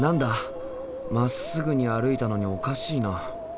まっすぐに歩いたのにおかしいな。